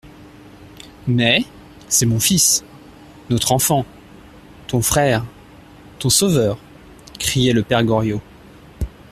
Mais, c'est mon fils, notre enfant, ton frère, ton sauveur, criait le père Goriot.